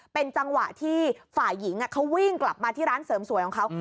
เป็นจังหวะที่ฝ่ายหญิงเขาวิ่งกลับมาที่ร้านเสริมสวยของเขา